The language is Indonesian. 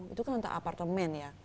itu kan untuk apartemen ya